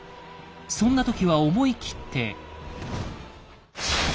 そんな時は思い切って。